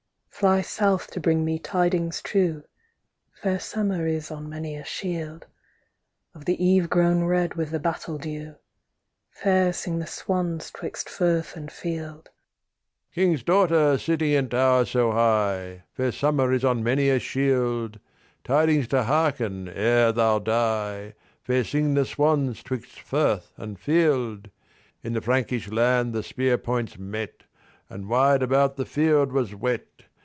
Fly south to bring me tidings true, Fair summer is on many a shield. Of the eve grown red with the battle dew, Fair sing the swans 'twixt firth and field. THE RAVEN King's daughter sitting in tower so high, Fair summer is on many a shield. Tidings to hearken ere thou die, Fair sing the swans 'twixt firth and field. In the Frankish land the spear points met, And wide about the field was wet.